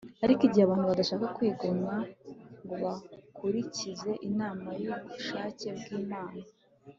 ariko igihe abantu badashaka kwigomwa ngo bakurikize inama n'ubushake bw'imana